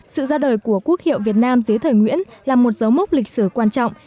sự ra đời của quốc hiệu việt nam dưới thời nguyễn là một dấu mốc lịch sử quan trọng